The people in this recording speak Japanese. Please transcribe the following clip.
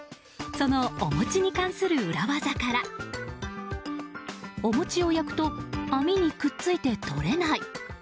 そのお餅に関する裏技からお餅を焼くと網にくっついて取れない。